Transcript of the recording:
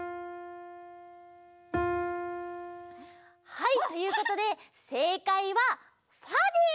はいということでせいかいはファです！